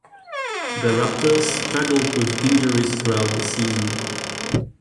The Raptors struggled with injuries throughout the season.